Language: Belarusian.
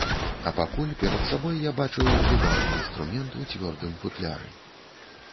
А пакуль перад сабой я бачыў выдатны інструмент у цвёрдым футляры.